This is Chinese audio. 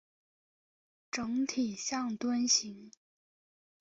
整体像樽形。